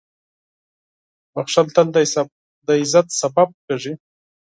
• بښل تل د عزت سبب کېږي.